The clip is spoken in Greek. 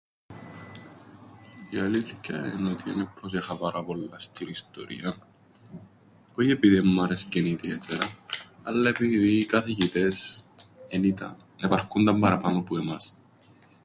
Η αλήθκεια εν' ότι εν επρόσεχα πάρα πολλά στην ιστορίαν, όι επειδή εν μου άρεσκεν ιδιαίτερα, αλλά επειδή οι καθηγητές, εν ήταν, εβαρκούνταν παραπάνω που εμάς.